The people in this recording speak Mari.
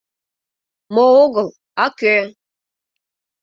Мо огыл, а кӧ!